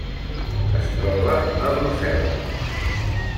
Es troba a Brussel·les.